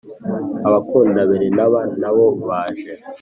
abakunda berenari nabo baje